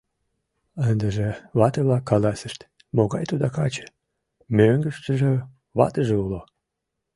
Ындыже вате-влак каласышт: могай тудо каче, мӧҥгыштыжӧ ватыже уло!